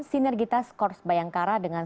sinergitas korps bayangkara dengan